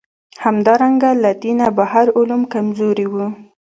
همدارنګه له دینه بهر علوم کمزوري وو.